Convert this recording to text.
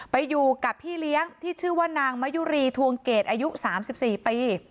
ไปอยู่กับพี่เลี้ยงที่ชื่อว่านางมะยุรีทวงเกรดอายุ๓๔ปี